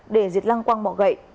để diệt lăng quang bỏ gậy